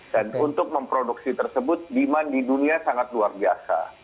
dan untuk memproduksi tersebut dimana di dunia sangat luar biasa